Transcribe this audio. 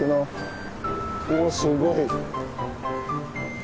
おおすごい！